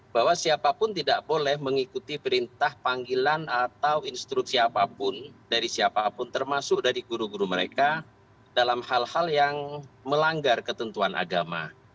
bahwa siapapun tidak boleh mengikuti perintah panggilan atau instruksi apapun dari siapapun termasuk dari guru guru mereka dalam hal hal yang melanggar ketentuan agama